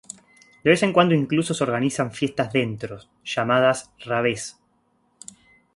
De vez en cuando incluso se organizan fiestas dentro, llamadas "raves".